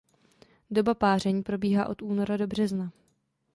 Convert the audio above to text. Doba páření probíhá od února do března.